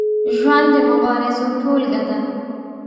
ژوند د مبارزو ټولګه ده.